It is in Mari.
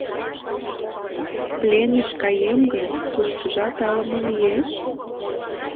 — Пленыш каем гын, туштыжат ала-мо лиеш?